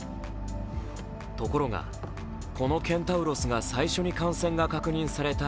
ところが、このケンタウロスが最初に感染が確認された